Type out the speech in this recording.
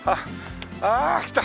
ああ来た！